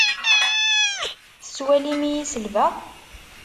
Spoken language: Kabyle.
Tettwalim-iyi selbeɣ?